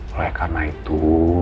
oleh karena itu